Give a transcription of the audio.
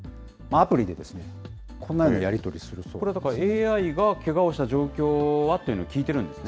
アプリで、これ、だからＡＩがけがをした状況は？というのを聞いてるんですね。